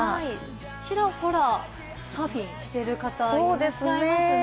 ちらほらサーフィンしている方がいらっしゃいますね。